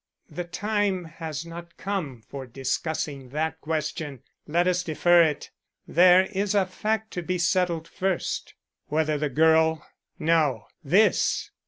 "The time has not come for discussing that question. Let us defer it. There is a fact to be settled first." "Whether the girl " "No; this!